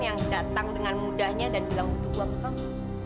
yang datang dengan mudahnya dan bilang butuh uang ke kamu